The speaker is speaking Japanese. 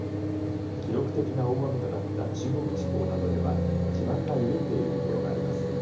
記録的な大雨となった中国地方などでは地盤が緩んでいるところがあります。